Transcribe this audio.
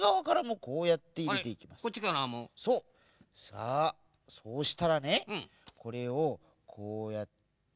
さあそうしたらねこれをこうやって。